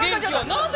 ◆何で？